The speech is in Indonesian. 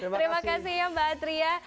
terima kasih ya mbak atria